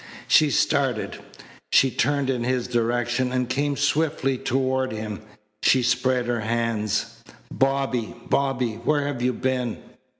She started. She turned in his direction and came swiftly toward him. She spread her hands. "Bobby! Bobby! Where have you been?"